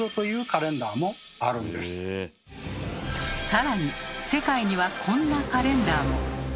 さらに世界にはこんなカレンダーも。